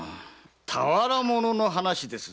俵物の話ですぞ！